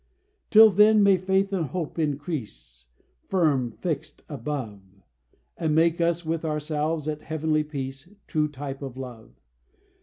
Till then, may faith and hope increase, Firm, fixed above; And make us with ourselves at heavenly peace True type of love!